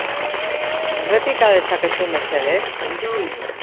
Errepika dezakezu, mesedez?